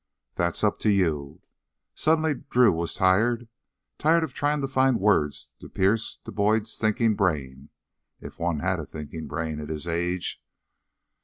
"That's up to you." Suddenly Drew was tired, tired of trying to find words to pierce to Boyd's thinking brain if one had a thinking brain at his age.